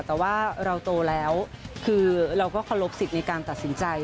แต่ว่าเราโตแล้วคือเราก็เคารพสิทธิ์ในการตัดสินใจ